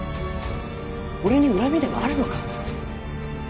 俺に恨みでもあるのか？